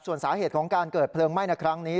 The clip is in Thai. ส่วนสาเหตุของการเกิดเพลิงไหม้ในครั้งนี้